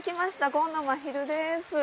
紺野まひるです。